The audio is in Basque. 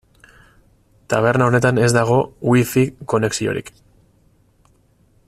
Taberna honetan ez dago Wi-Fi konexiorik.